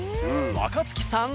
若槻さん